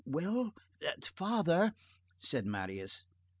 "Well, father—" said Marius.